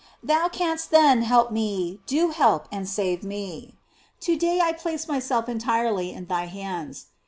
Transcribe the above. Thou canst, then, help me; do help and save me. To day I place myself entirely in thy hands.